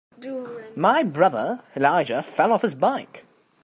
My brother Elijah fell off his bike.